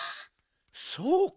そうか！